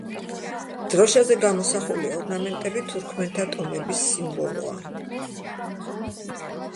დროშაზე გამოსახული ორნამენტები თურქმენთა ტომების სიმბოლოა.